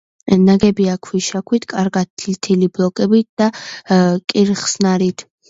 ნაგებია ქვიშაქვით კარგად თლილი ბლოკებით და კირხსნარით.